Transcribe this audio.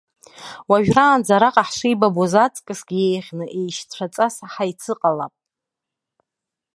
Уажәраанӡа, араҟа ҳшеибабоз аҵкысгьы еиӷьны, еишьцәаҵас ҳаицыҟалап.